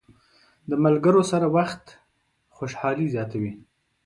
د ملګرو سره وخت خوشحالي زیاته وي.